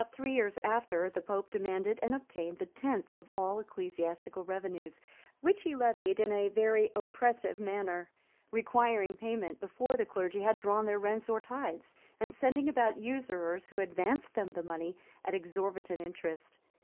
About three years after, the pope demanded and obtained the tenth of all ecclesiastical revenues, which he levied in a very oppressive manner; requiring payment before the clergy had drawn their rents or tithes, and sending about usurers, who advanced them the money at exorbitant interest.